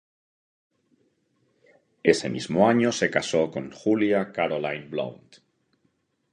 Ese mismo año se casó con Julia Caroline Blount.